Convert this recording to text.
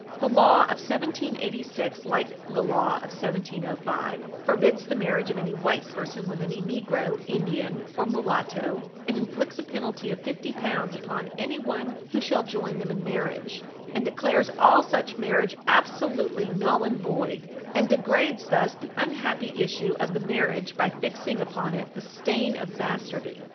The law of 1786, like the law of 1705, forbids the marriage of any white person with any negro, Indian, or mulatto, and inflicts a penalty of fifty pounds upon anyone who shall join them in marriage, and declares all such marriage absolutely null and void, and degrades thus the unhappy issue of the marriage by fixing upon it the stain of bastardy.